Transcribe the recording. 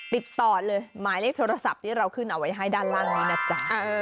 ติดต่อเลยหมายเลขโทรศัพท์ที่เราขึ้นเอาไว้ให้ด้านล่างนี้นะจ๊ะ